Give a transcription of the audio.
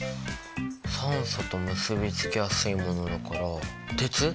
酸素と結び付きやすいものだから鉄？